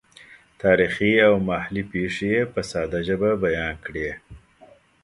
تاریخي او محلي پېښې یې په ساده ژبه بیان کړې.